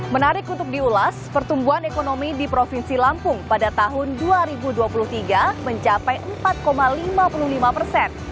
menarik untuk diulas pertumbuhan ekonomi di provinsi lampung pada tahun dua ribu dua puluh tiga mencapai empat lima puluh lima persen